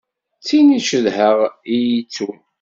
D tin i cedheɣ i yi-ittun.